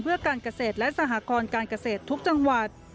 เพื่อการเกษตรและสหกรการเกษตรทุกจังหวัด